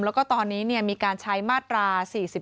แล้วก็ตอนนี้มีการใช้มาตรา๔๔